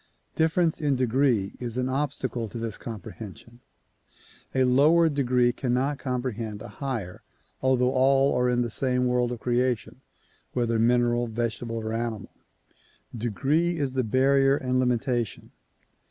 Difference in degree is an obstacle to this comprehension. A lower degree cannot comprehend a higher although all are in the same world of creation, whether mineral, vegetable or animal. Degree is the barrier and limitation.